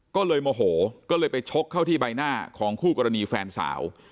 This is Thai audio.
ก็เลยโมโหก็เลยไปชกเข้าที่ใบหน้าของคู่กรณีแฟนสาว